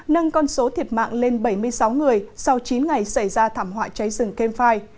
nâng con số thiệt mạng lên bảy mươi sáu người sau chín ngày xảy ra thảm họa cháy rừng camp fire